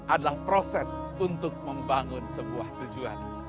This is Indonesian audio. adalah proses untuk membangun sebuah tujuan